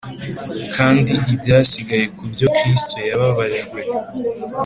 Kandi ibyasigaye ku byo kristo yababajwe